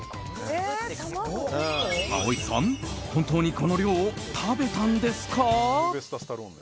蒼井さん、本当にこの量を食べたんですか？